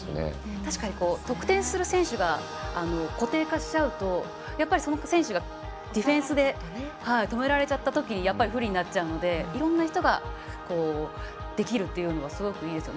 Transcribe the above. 確かに、得点する選手が固定化しちゃうとその選手がディフェンスで止められちゃったときに不利になっちゃうのでいろんな人ができるというのはすごくいいですよね。